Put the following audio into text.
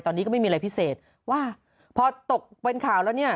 ตอนนี้ก็ไม่มีอะไรพิเศษว่าพอตกเป็นข่าวแล้วเนี่ย